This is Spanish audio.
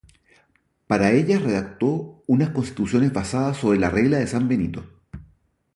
Para ellas redactó unas constituciones basadas sobre la "Regla de San Benito".